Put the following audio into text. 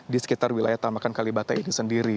di sekitar wilayah taman makam kalibata ini sendiri